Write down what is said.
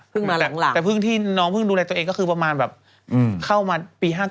ค่ะแต่เพิ่งที่น้องเพิ่งดูแลตัวเองก็คือประมาณแบบแต่มาแล้วนี่คือเป็นมาตลอด